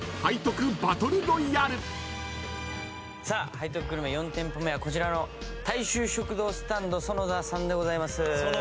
背徳グルメ４店舗目はこちらの大衆食堂スタンドそのださんでございます。